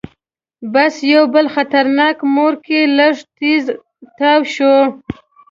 بس یو بل خطرناک موړ کې لږ تیز تاو شو.